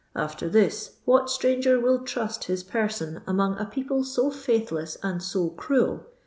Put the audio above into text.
After this, what stranger will trust his person among a people to faithless and so cruel?